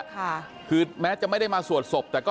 ค่ะคือแม้จะไม่ได้มาสวดศพแต่ก็